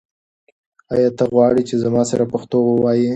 آیا ته غواړې چې زما سره پښتو ووایې؟